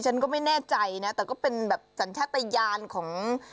ฉันก็ไม่แน่ใจนะแต่ก็เป็นแบบสัญชาติยานของ